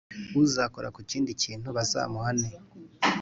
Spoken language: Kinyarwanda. Uzakora ku kindi kintu bazamuhane.